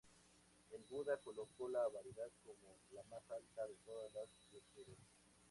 El Buda colocó la verdad como la más alta de todas las virtudes.